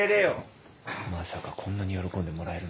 まさかこんなに喜んでもらえるなんて。